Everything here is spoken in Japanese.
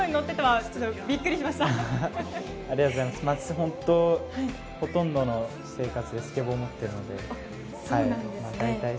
本当、ほとんどの生活でスケボー乗ってるので。